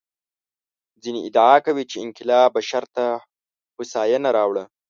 ځینې ادعا کوي چې انقلاب بشر ته هوساینه راوړه.